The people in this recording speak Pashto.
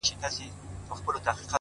هره هڅه د بریا خوا ته حرکت دی,